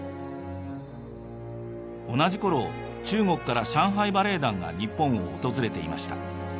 同じころ中国から上海バレエ団が日本を訪れていました。